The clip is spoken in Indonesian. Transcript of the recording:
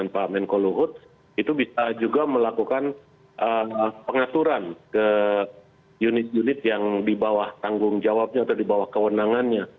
pak menko luhut itu bisa juga melakukan pengaturan ke unit unit yang di bawah tanggung jawabnya atau di bawah kewenangannya